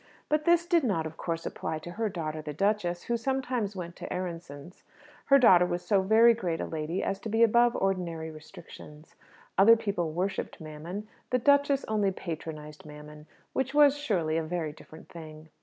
But this did not, of course, apply to her daughter the duchess, who sometimes went to the Aaronssohns'. Her daughter was so very great a lady as to be above ordinary restrictions. Other people worshipped Mammon; the duchess only patronized Mammon which was, surely, a very different thing!